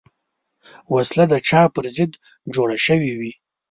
وسله د چا پر ضد جوړه شوې وي